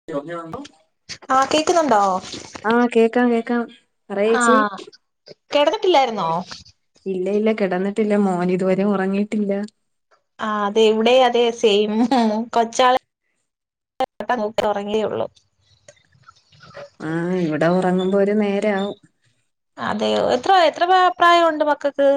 [unintelligible] ആഹ് കേക്കുന്നുണ്ടോ? ആഹ് കേക്കാം കേക്കാം പറയേച്ചി ആഹ് കെടന്നിട്ടില്ലായിരുന്നോ? ഇല്ല ഇല്ല കെടന്നിട്ടില്ല മോൻ ഇതുവരെ ഒറങ്ങിയിട്ടില്ല. ആഹ് അതെ ഇവടെയും അതെ സെയിം ഉം കൊച്ചാള് ഇപ്പൊ അങ്ങ് ഒറങ്ങിയേ ഒള്ളൂ ആഹ് ഇവടെ ഒറങ്ങുമ്പോ ഒരു നേരാവും അതെയോ? എത്ര എത്ര പ്രായവുണ്ട് മക്കക്ക്?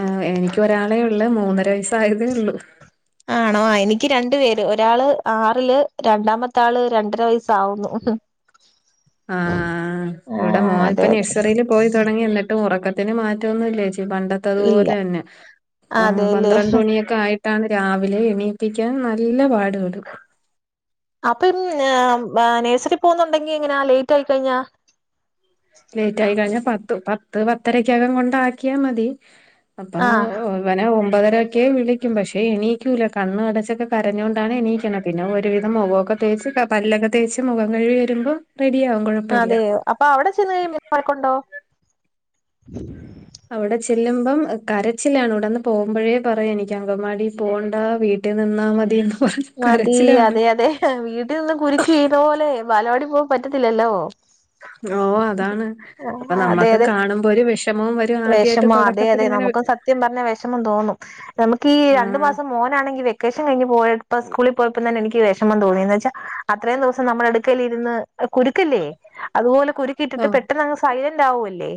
ആഹ് എനിക്ക് ഒരാളെ ഒള്ള് മൂന്നര വയസ്സായതേ ഒള്ളൂ ആ ആണോ? എനിക്ക് രണ്ടു പേര് ഒരാള് ആറില് രണ്ടാമത്തെ ആള് രണ്ടര വയസ്സാവുന്നു ആഹ് ഇവിടെ ആഹ് അതെ മോനിപ്പം അതെ നഴ്സറിയില് പോയി തൊടങ്ങി എന്നിട്ട് എന്നിട്ടും ഒറക്കത്തിന് മാറ്റമൊന്നുമില്ല ചേച്ചി പണ്ടത്തതു ഇല്ല പോലെ തന്നെ ആഹ് അതെല്ലേ പന്ത്രണ്ട് മണിയൊ ക്കെ ആയിട്ടാണ് രാവിലെ എണീപ്പിക്കാൻ നല്ല പാടുപെടും അപ്പം ഉം ങ്ങാഹ് നഴ്സറി പോകുന്നുണ്ടെങ്കി എങ്ങനാ ലെയ്റ്റായി കഴിഞ്ഞ? ലെയ്റ്റായി കഴിഞ്ഞ പത്ത് പത്ത് പത്തരക്കകം കൊണ്ടാക്കിയാ മതി അപ്പം ആഹ് ഇവനെ ഒമ്പതരക്കെ വിളിക്കും പക്ഷെ എണീക്കൂല്ല കണ്ണും അടച്ചൊക്കെ കരഞ്ഞുകൊണ്ടാണ് എണീക്ക്ണ പിന്നെ ഒരുവിധം മുഖവൊക്കെ തേച്ച് പല്ലൊക്കെ തേച്ച് മുഖം കഴുകി വരുമ്പം റെഡിയാവും കൊഴപ്പയില്ല അപ്പ അവിടെ ചെന്ന് കഴി [inaudible] വഴക്കുണ്ടോ? അവിടെ ചെല്ലുമ്പം കരച്ചിലാണ് ഇവിടന്ന് പോകുമ്പഴേ പറയും എനിക്ക് അംഗവാടി പോവണ്ട വീട്ട വീട്ടിൽ നിന്നാ മതീന്ന് പറയും മതീ അതെ അതെ വീട്ടി നിന്ന് കുരുക്ക് ഇതേ പോലെ ബാലവാടി പോവാൻ പറ്റത്തില്ലല്ലോ? ഓഹ് അതാണ് അപ്പൊ നമ്മക്കും കാണുമ്പോ ഒരു വിഷമവും വരും ആദ്യായിട്ട് വെഷമ അതെ അതെ തുടക്കത്തിലിങ്ങനെ നമുക്കും സത്യം പറഞ്ഞ വിഷമം തോന്നും നമുക്ക് ഈ ആ രണ്ടു മാസം മോനാണെങ്കിലെ വ വെക്കേഷൻ കഴിഞ്ഞ് പോയ ഇപ്പൊ സ്കൂളി പോയപ്പോ തന്നെ എനിക്ക് വിഷമം തോന്നി എന്ന് വെച്ച അത്രയും ദിവസം നമ്മുടെ അടുക്കേലിരുന്ന് കുരുക്കല്ലേ അതുപോലെ കുരുക്കി ഓ ഇട്ടിട്ട് പെട്ടെന്നങ്ങ് സ്കൂ സൈലന്റ് ആവുവല്ലേ?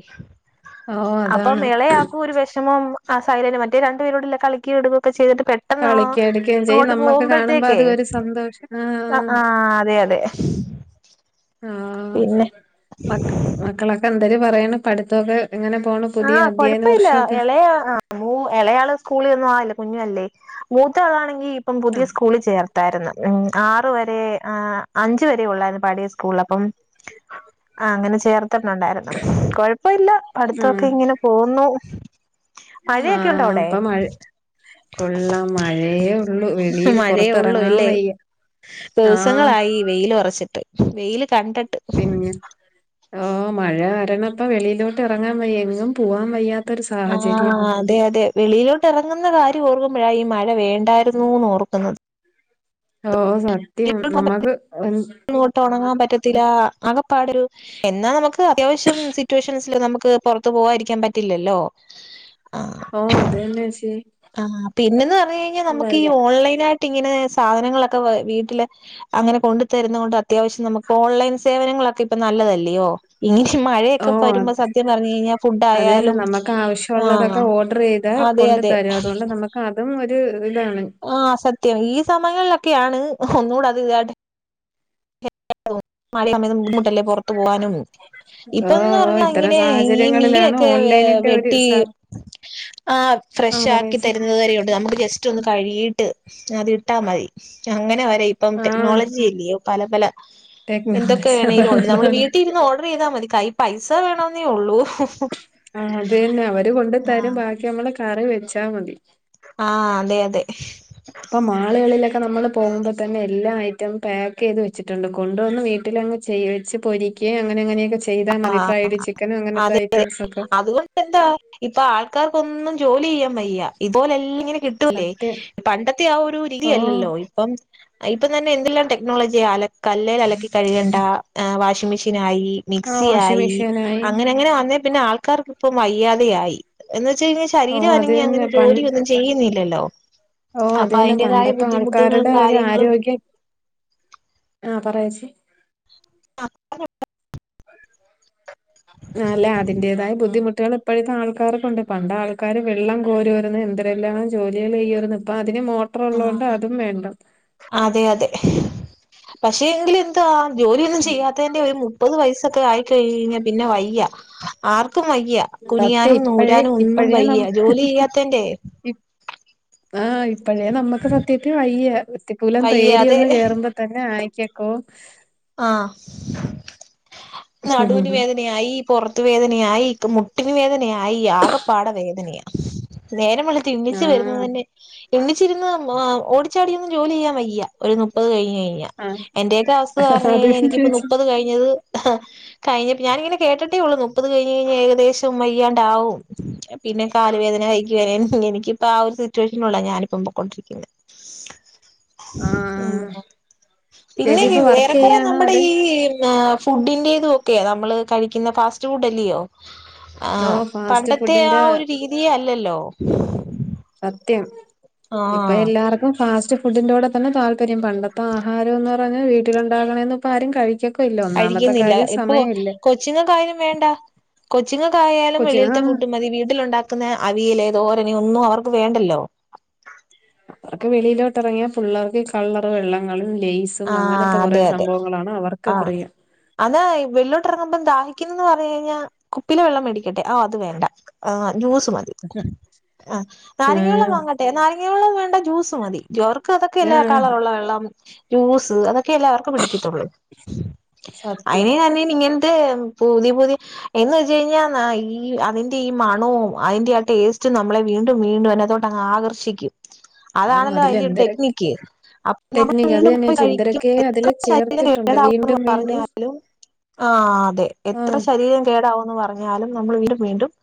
ഓ അപ്പൊ അതാണ് എളയാക്കും ഒരു വെഷമം ആ സൈലന്റ് മറ്റേ രണ്ടു പേരൂടിയല്ലെ കളിക്കേം എടുകയും ഒക്കെ ചെയ്തിട്ട് പെ പെട്ടന്നോ കളിക്ക എടുക്കുകയും ചെയ്യും അങ്ങോട്ട് നമ്മക്ക് കാണുമ്പോ പോകുമ്പഴത്തേക്കെ അത് ഒരു സന്തോഷം ആ ആഹ് അതെ അതെ ആഹ് പിന്നെ മ മക്കളൊക്കെ എന്തര് പറയ്ണ്? പഠിത്തവൊക്കെ എങ്ങനെ പോണു ആഹ് പുതിയ അദ്യായന കൊഴപ്പമില്ല വർഷവൊക്കെ? ഇളയ ആ മൂ എളയാള് സ്കൂളി ഒന്നും ആയില്ല കുഞ്ഞല്ലേ മൂത്തളാണെങ്കി ഇപ്പം പുതിയ ആഹ് സ്കൂളി ചേർത്ത യിര്ന്ന് ഉം ആറ് വരെ ആ അഞ്ച് വരെ ഒള്ളായിരുന്നു പഴയ സ്കൂളില് അപ്പം ആഹ് അങ്ങനെ ചേർത്തിട്ടുണ്ടായിരുന്നു കൊഴപ്പയില്ല പഠിത്തവൊക്കെ ആഹ് ഇങ്ങനെ പോകുന്നു ആഹ് ഇപ്പൊ മഴ കൊള്ളാം മഴയേ ഒള്ളൂ വെളിയില് മഴയേ പൊറത്ത് ഉള്ളൂ എറങ്ങാൻ ഇല്ലേ വയ്യ ആഹ് ദിവസങ്ങളായി വെയില് ഒറച്ചിട്ട് വെയില് കണ്ടിട്ട് പിന്നെ ഓഹ് മഴ കാരണം ഇപ്പോ വെളിയിലോട്ട് ഇറങ്ങാൻ വയ്യ എങ്ങും പോവാൻ വയ്യാ ആഹ് അതെ അതെ വെളിയിലോട്ട് എറങ്ങുന്ന കാര്യം ഓർക്കുമ്പയ ഈ മഴ വേണ്ടായിരുന്നൂന്ന് ഓർക്കുന്നത് ഓഹ് സത്യം നമ്മക്ക് ഒ അങ്ങോട്ട് ഒണങ്ങാൻ പറ്റത്തില്ല അകപ്പാടെ ഒരു എന്നാ നമുക്ക് അത്യാവിശ്യം സിറ്റുവേഷൻസില് നമുക്ക് പൊറത്ത് പോവാതിരിക്കാൻ പറ്റില്ലല്ലോ? ആഹ് ഓഹ് അതന്നെ ചേച്ചി ആ പിന്നന്ന് പറഞ് കഴിഞ്ഞാൽ നമുക്ക് ഈ വല്ല ഓൺലൈനായിട്ട് ഇങ്ങനെ സാധനങ്ങളൊക്കെ വീട്ടില് അങ്ങനെ കൊണ്ടു തരുന്ന കൊണ്ട് അത്യാവശ്യം നമുക്ക് ഓൺലൈൻ സേവനങ്ങളൊക്കെ ഇപ്പൊ നല്ലതല്ലയോ ഇങ്ങന ഓ മഴയൊക്കെ അത് വരുമ്പോ സത്യം പറഞ് കഴിഞ്ഞാ അത് തന്നെ ഫുഡ്ഡആയാലും നമുക്ക് ആഹ ആവശ്യമുള്ളതൊക്കെ ഓർഡർ ചെയ്താ അതെ കൊണ്ട് അതെ തരും അതുകൊണ്ട് നമുക്ക് അതും ഒരു ഇതിലാണ്. ആഹ സത്യം ഈ സമയങ്ങളിലൊക്കെയാണ് ഒന്നൂട അത് ഇതയിട്ട് മഴ ആവുമ്പ ബുദ്ധിമുട്ടല്ലേ പുറത്തു പോകാനും ഓ ഇപ്പന്ന് ഓ പറഞ്ഞ ഇത്തരം ഇങ്ങനെ ഈ സാഹചര്യങ്ങളിലാണ് മീനൊക്കെ ഓൺലൈനിന്റെ ഒരു വെട്ടി സാർ ആഹ ആ ഫ്രഷ് ആക്കി പറയച്ചി തരുന്നത് വരെയുണ്ട് നമുക്ക് ജസ് റ്റൊന്ന് കഴിയിട്ട് അത് ഇട്ടാ മതി അങ്ങനെ വരെ ഇപ്പം ആ ടെക്നോളജി അല്ലയോ പല പല എന്തൊക്കെ ടെക്നോളജി വേണേലും അതാണ് ഉണ്ട് നമ്മൾ അതാണ് വീട്ടിരുന്ന് ഓഡർ ചെയ്താമതി കൈ പൈസ വേണമെന്നേ ഉള്ളൂ ആഹ അത് തന്നെ അവര് ആഹ് കൊണ്ടത്തരും ബാക്കി നമ്മള് കറി വെച്ചാ മതി. ആഹ അതെ അതെ ഇപ്പൊ മാളുകളിലൊക്കെ നമ്മള് പോകുമ്പോ തന്നെ എല്ലാ ഐറ്റം പാക്ക് ചെയ്ത് വെച്ചി ട്ട്ണ്ട് കൊണ്ടുവന്ന് വീട്ടിലങ് ചെയ് വെച്ച് പൊരിക്ക്യെ അങ്ങനെ ഇങ്ങനെയൊക്കെ ചെയ്താൽ മതി ഫ്രൈഡ് ചിക്കനും അത് അങ്ങനത്തെ ഐറ്റംസ് ഒക്കെ അതുകൊണ്ട് എന്താ ഇപ്പൊ ആൾക്കാർക്കൊന്നും ജോലി ചെയ്യാൻ വയ്യ ഇപോലെല്ലിങ്കനെ കി കിട്ടുല്ലേ സത്യം പണ്ടത്തെ ആ ഒരു ഓ രീതിലല്ലല്ലോ ഇപ്പം ഇപ്പം തന്നെ എന്തെല്ലാം ടെക്നോളജിയ അല കല്ലേൽ അലക്കി കഴുകേണ്ട വാഷിംഗ് മെഷീൻ ആയി ആ മിക്സി വാഷിംഗ് ആയി മെഷീനായി അങ്ങനെ അങ്ങനെ വന്നേ പിന്നെ ആൾക്കാർക്കിപ്പം വയ്യാതെയായി എന്നുവെച്ച്കഴിഞ്ഞ- ഓ ശരീരം അത് അനങ്ങി അങ്ങനെ ജോലിയൊന്നും ചെയ്യുന്നില്ലല്ലോ ഓഹ അത് അപ്പൊ ന്നെ അതിന്റേതായ പണ്ടത്തെ ബുദ്ധിമുട്ടുകളും ആൾക്കാരുടെ ഒരു കാര്യങ്ങളും ആരോഗ്യ ആഹ പറയേച്ചി ആഹ് പറ [unintelligible] അല്ല അതിന്റേതായ ബുദ്ധിമുട്ടുകള് ഇപ്പോഴത്തെ ആൾക്കാർക്കുണ്ട് പണ്ട ആൾക്കാര് വെള്ളം കോരുരാന്ന് എ- ന്തെല്ലാം ജോലികൾ ചെയ്യുവായിരുന്നു ഇപ്പൊ അതിനും മോട്ടർ ആ ഉള്ളോണ്ട് ആ അതും വേണ്ട അതെ അതെ പക്ഷെ എങ്കിലു എന്താ ജോലിയൊന്നും ചെയ്യാതെ ന്റെ ഒരു മുപ്പത് വയസൊക്കെ ആയിക്കഴിഞ്ഞാ പിന്നെ വയ്യ ആർക്കും വയ്യ സത്യം കുനിയാനും ഇപ്പഴേ നൂരാനും ഒന്നും ഇപ്പഴേ നം വയ്യ ജോലി ചെയ്യാത്തന്റെ ആഹ ഇപ്പഴേ നമ്മക്ക് സത്യത്തി വയ്യ വൃത്തിക്കൂലം തേരിയ വയ്യാതെ ഒന്ന് കേറുമ്പ ത്തന്നെ ആയിക്കക്കോ ആഹ നടുവിന് വേദന നയായി പുറത്ത് വേദനയായി പ്പം മുട്ടിന് വേദനയായി ആകപ്പാട വേദനയ നേരം വെളുത്ത് ആ ഇന്നിച്ച് വരുന്നത് തന്നെ ഇണ്ണിച്ചിരുന്ന് ഓടിച്ചാടിന്നും ജോലി ചെയ്യാൻ വയ്യ ഒരു നുപ്പത് കഴിഞ് കഴിഞ്ഞ ആ എന്റെയൊക്കെ അവസ്ഥ പറഞ് അത് കഴിഞ്ഞാൽ തന്നെ എനിക്കിപ്പോ ചേച്ചി നുപ്പത് കഴിഞ്ഞത് കഴിഞ്ഞപ്പ ഞാനിങ്ങനെ കേട്ടിട്ടേ ഉള്ളൂ മുപ്പത് കഴിഞ്ഞ് കഴിഞ്ഞാൽ ഏകദേശം വയ്യാണ്ടാവും പിന്നെ കാല് വേദന കൈക്ക് വേദന എനിക്കിപ്പ ആഹ ഒരു സിറ്റുവേഷനുള്ളെ ഞാനിപ്പം പൊക്കൊണ്ടിരിക്കുന്നത്. ആ ഉം പിന്നെ ചേച്ചി ഇപ്പൊ വർക്ക് ഏറെക്കുറെ ചെയ്യാണോ നമ്മുടെ അതെ ഈ ഫുഡിന്റെതൊക്കെയ നമ്മള് കഴിക്കുന്ന ഫാസ്റ്റ് ഫുഡ് അല്ലയോ ഓ ആഹ ഫാസ്റ്റ് പണ്ടത്തെ ആ ഫുഡിന്റെ ഒരു രീതിയെ അല്ലല്ലോ സത്യം ഇപ്പ ആഹ് എല്ലാർക്കും ഫാസ്റ്റ് ഫുഡിന്റോടെ തന്നെ താല്പര്യം പണ്ടത്തെ ആഹാരന്ന് പറഞ്ഞാ വീട്ടിലണ്ടാകണന്നും ഇപ്പോ ആരും കഴിക്ക ഇല്ല ഒന്നാമത്തെ കാര്യം സമയൊല്ല കൊച്ചിങ്ങക്കായാലും വേണ്ട കൊച്ചിങ്ങക്കായാലും കൊച്ചി വെളിയി ആ ൽത്തെ ഫുഡ് മതി വീട്ടിലുണ്ടാക്ക പിന്നെ അവിയല് തോരന് ഒന്നും അവർക്ക് വേണ്ടല്ലോ അവർക്ക് വെളിയിലോട്ട്റങ്ങിയ പിള്ളേർക്ക് കളറു വെള്ളങ്ങള് ലേയ്‌സ് സും അങ്ങനത്തെ ആഹ് കുറെ അതെ അതെ സംഭവങ്ങളാണ് അവർക്ക് ആഹ് പ്രിയം അതാ വെലിയിലോട്ട് ഇറങ്ങുമ്പം ദാഹിക്കുന്നന്ന് പറഞ്ഞു കഴിഞ്ഞാൽ കുപ്പിലെ വെള്ളം മേടിക്കട്ടെ ആഹ് അത് വേണ്ട ആഹ് ജൂസ് മതി ആഹ് ഉം നാരങ്ങവെള്ളം വാങ്ങട്ട നാരങ്ങവെള്ള വേണ്ട ജ്യൂസ് മതി ജോർക്ക് ആ അതൊക്കെയല്ലേ കളറുള്ള വെള്ളം ജൂസ് അതൊക്ക ക്കി എല്ലാവർക്കും പിടിക്കത്തുള്ളൂ സത്യം അതിനെനതിനെനിങ്ങനത്തെ പുതിയ പുതിയ എന്ന് വെച്ചു കഴിഞ്ഞാൽ ഈ അതിന്റെ ഈ മണവും അയിന്റെ ആ ടേസ്റ്റും നമ്മളെ വീണ്ടും വീണ്ടും ഐയ്നത്തോ ആകർഷിക്കും ഓ അതാണല്ലോ അതിന്റെ ഒരു അതിലെന്തരൊക്കെ ടെക്നിക്ക് അപ്പോ ന ടെക്നിക്ക് അത് തന്നെ ചേച്ചി കഴിക്കും എന്തരൊക്കെ എത്ര അതില് ശരീരം ചേർത്തിട്ടുണ്ട് കേടാകും ന്ന് വീണ്ടും വീണ്ടും പറഞ്ഞാലും ആഹ് അതെ എത്ര ആഹ് ശ കേടാവുംന്ന് പറഞ്ഞാലും നമ്മൾ വീണ്ടും വീണ്ടും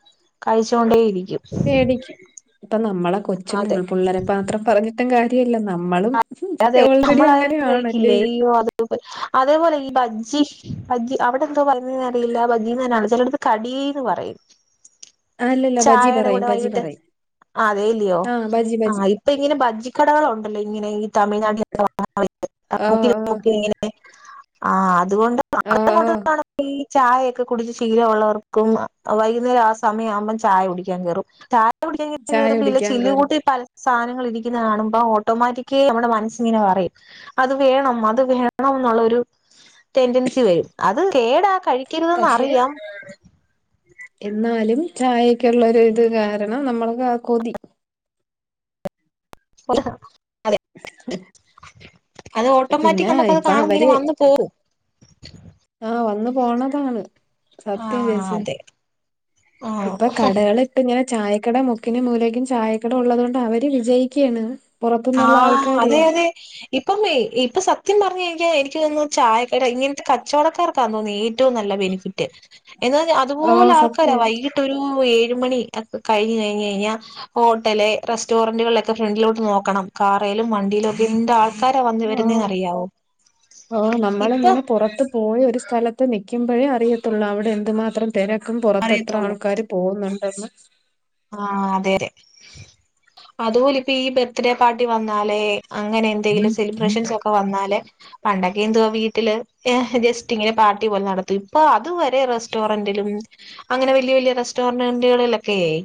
കഴിച്ചുകൊണ്ടേ ഇരിക്കും വേടിക്കും ഇപ്പ നമ്മളെ കൊച്ചും അതെ പുള്ളാരെ മാത്രം പറഞ്ഞിട്ടും കാര്യവീല്ല നമ്മളും അതെ ഓൾറെഡി നമ്മൾ [unintelligible] അങ്ങനെയാണല്ലേ കഴിക്കില്ലേ അതേപോലെ ഈ ബജ്ജി ബജ്ജി അവിടെ എന്തോ പറയുന്നേന്ന് അറിയില്ല ബജ്ജിന്നു തന്നെയാണ് ചെ കടീന്ന് പറയും ആ അല്ലല്ല ബജി പറയും ബജി പറയും ആ അതെല്ലിയോ ആ ബജി ആ ബജി ഇപ്പ ഇങ്ങനെ ബജ്ജിക്കടകളൊണ്ടല്ലോ ഇങ്ങനെ ആ ആ [unintelligible] ആ അതുകൊണ്ട് [inaudible] ആ ആ ഈ ചായയൊക്കെ കുടിച്ച് ശീലമുള്ളവർക്കും വൈകുന്നേരം ആ സമയ ആവുമ്പം ചായ കുടിക്കാൻ കേറും ചാ ചായ [unintelligible] കുടിക്കാൻ കേറും ചില്ലുകൂട്ടി പല സാധനൾ ഇരിക്കുന്ന കാണുമ്പ ഓട്ടോമാറ്റിക് നമ്മുടെ മനസ്സിങ്ങനെ പറയും അത് വേണം അത് വേണം എന്നുള്ളരു ടെൻഡൻസി വരും അത് കേടാ കഴി പക്ഷെ എന്നാലും ചായക്കുള്ള ഒരു ഇത് കാരണം നമ്മൾ ആ കൊതി [inaudible] അതെ അത് ഓട്ടോമാറ്റിക് പിന്നെ നമുക്കത് ഇപ്പൊ കാണുമ്പൊ ഇങ്ങനെ വന്നു പോവും ആഹ് വന്നു പോണതാണ് സത്യം ആഹ് ചേച്ചി അതെ ആഹ് ഇപ്പൊ കടകള ഇട്ട് ഇങ്ങനെ ചായക്കട മുക്കിനും മൂലേക്കും ചായക്കട ഉള്ളതുകൊണ്ട് അവര് വിജയിക്കുകയാണ് പുറത്തുന്നുള്ള ആഹ് ആൾക്കാരെ അതെ അതെ ഇപ്പം ഇപ്പൊ സത്യം പറഞ്ഞ എനിക്ക് എനിക്ക് തോന്നുന്നു ചായക്കട ഇങ്ങനത്തെ കച്ചവടക്കാർ ക്കാന്നുതോന്നുന്നു ഏറ്റവും നല്ല ബെനിഫിറ്റ് എന്നാൽ അതുപോലെ ആഹ് ആൾക്കാരാ സത്യം വൈകി ഏഴുമണി കഴിഞ്ഞ് കഴിഞ്ഞാൽ ഹോട്ടല് റെസ്റ്റോറന്റുകളിലൊക്കെ ഫ്രണ്ടിലോട്ട് നോക്കണം കാറേലും വണ്ടിയേലും ഒക്കെ എന്താൾ ആൾക്കാര വന്ന വരുന്നെന്ന് ആഹ് അറിയാവോ ആഹ് ഇപ്പൊ നമ്മളിങ്ങനെ പുറത്ത് പോയി ഒരു സ്ഥലത്ത് നിൽക്കുമ്പോഴേ അറിയത്തുള്ളൂ അവിടെ എന്തുമാത്രം തിരക്കും പുറത്ത് എത്ര അറിയത്തുള്ളൂ ആൾക്കാരും പോന്നുണ്ടെന്ന് ആഹ് അതെതെ അതുപോലെ ഇപ്പ ഈ ബർത്ത്ഡേ പാർട്ടി വന്നാലേ അങ്ങനെ എന്തെങ്കിലും സെലിബ്രേഷൻസ് ഒക്കെ വന്നാല് പണ്ടൊക്കെ എന്തുവാ വീട്ടില് ജസ്റ്റ് ഇങ്ങനെ പാർട്ടി പോലെ നടത്തും ഇപ്പൊ അതുവരെ റെസ്റ്റോറന്റിലും അങ്ങനെ വല്യ വലിയ റെസ്റ്റോറന്റുകളിലൊക്കെയ ആയി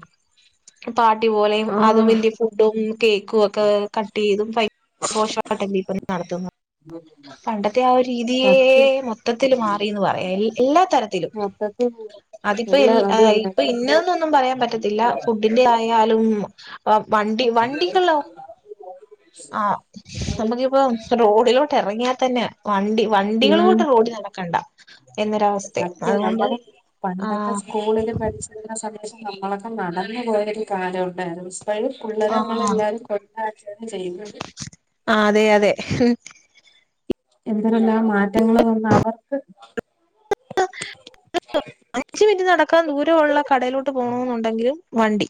പാർട്ടി പോലെയും അതും ആഹ് വലിയ ഫുഡും കേക്കും ഒക്കെ കട്ട് ചെയ്തും [unintelligible] പണ്ടത്തെ ആ ഒരു രീതിയേ മൊത്തത്തിൽ [unintelligible] മാറിന്ന് പറയാം എല്ലാ തരത്തിലും [unintelligible] അതിപ്പോ എൽ എല്ലാ അത് ഏഹ് തന്നെ ഇപ്പൊ ഇന്നത് എന്ന് ഒന്നും പറയാൻ പറ്റത്തില്ല ഫുഡിന്റെ ആയാലും അഹ് വണ്ടി വണ്ടികളോ ആഹ് നമുക്കിപ്പം റോഡിലോ ട്ടെ എറങ്ങിയാ തന്നെ വണ്ടി ഉം വണ്ടികളോട്ട് റോഡിൽ നടക്കണ്ട എന്നൊരവസ്ഥെ സത്യം അതുകൊണ്ട് നമ്മള് പണ്ടൊക്കെ ആഹ് സ്കൂ സ്കൂളില് പഠി ളുന്ന സമയത്ത് നമ്മളൊക്കെ നടന്നു പോയൊരു കാലമുണ്ടായിരുന്നു ഇപ്പഴ് പുള്ളരെ ആഹ് നമ്മളെല്ലാരും കൊണ്ട് ആക്കുകയാണ് ചെയ്യുന്നത് ആഹ് അതെ അതെ എന്തെരെല്ലാം മാറ്റങ്ങള് വന്നു അവർക്ക് അഞ്ച് മിനിറ്റ് നടക്കാൻ ദൂരമുള്ള കടയിലോട്ട് പോണെന്നുണ്ടെങ്കിലും വണ്ടി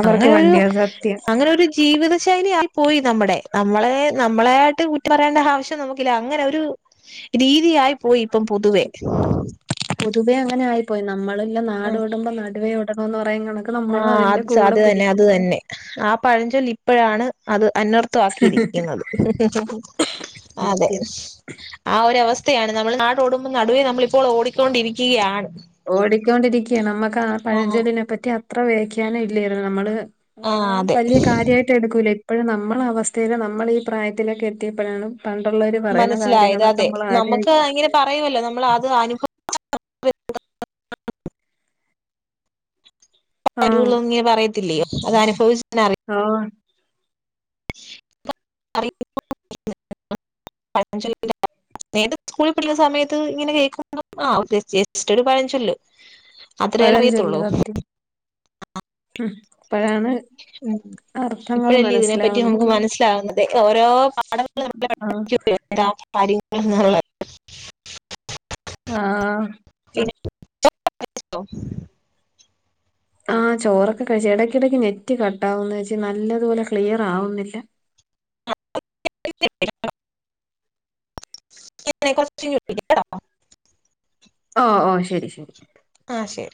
അവർക്ക് അങ്ങനെ ഒരു വണ്ടിയാ സത്യം അങ്ങനെ ഒരു ജീവിത ശൈലി ആയി പോയി നമ്മുടെ നമ്മളെ നമ്മളായിട്ട് കുറ്റം പറയേണ്ട ആവശ്യം നമുക്കില്ല അങ്ങനെ ഒരു രീതിയായി പോയി ഇപ്പം പൊതുവേ പൊതുവെ അങ്ങനെ ആയി പോയി നമ്മള് ല്ലെ നാട് ഓടുമ്പം നടുവേ ഓടണം എന്ന് പറയും എന്നുള്ളത് ആഹ് അത് അത് തന്നെ അത് തന്നെ ആ പഴഞ്ചൊല്ല് ഇപ്പഴാണ് അത് അനർത്ഥമാക്കിയിരി ക്കിന്നത് [unintelligible] അതെ സത്യം ആഹ് ഒരു അവസ്ഥയാണ് നമ്മൾ നാട് ഓടുമ്പം നടുവേ നമ്മള് ഇപ്പോൾ ഓടിക്കൊണ്ടിരിക്കുകയാണ് ഓടിക്കൊണ്ടിരിക്കെ നമ്മക്ക് ആ ആഹ് പഴഞ്ചൊല്ലിനെ പറ്റി അത്ര വ്യാഖ്യാനം ഇല്ലായിരുന്നു നമ്മള്. ആ ആഹ് അതെ വലിയ കാര്യായിട്ട് എടുക്കൂല ഇപ്പഴും നമ്മളെ അവസ്ഥയില് നമ്മള് ഈ പ്രായത്തിലൊക്കെ എത്തിയപ്പഴാണ്. പണ്ടുള്ളവര് പറയ്ണ കാര്യങ്ങളൊക്കെ നമ്മള് ആലോചിക്ക പറയുവല്ലോ നമ്മള് അത് അനുഭ ആഹ് [unintelligible] പറയത്തില്ലേ അത് അനുഭവിച്ചാലേ അറി ആഹ് [unintelligible] പഴഞ്ചൊല്ല് വീണ്ടും സ്കൂളിൽ പഠിക്കുന്ന സമയത്ത് ഇങ്ങനെ കേൾക്കുമ്പം ആ ജസ്റ്റ് ഒരു പഴഞ്ചൊല്ല്. അത്രേയല്ലേ പഴഞ്ചൊല്ല് അറിയത്തൊള്ളൂ ഉം അപ്പഴാണ് [unintelligible] ഇപ്പഴല്ലേ ഇതിനെപ്പറ്റി നമുക്ക് മനസ്സിലാവുന്നത് ഓരോ പാഠങ്ങള് ആഹ് [unintelligible] [unintelligible] ആഹ് [unintelligible] ആഹ് ചോറ് ഒക്കെ കഴിച്ച് എടയ്ക്കിടക്ക് നെറ്റ് കട്ട് ആവുന്നു ചേച്ചി നല്ലതുപോലെ ക്ലിയർ ആവുന്നില്ല [unintelligible] ഓഹ് ഓഹ് ശരി ശരി ആഹ് ശരി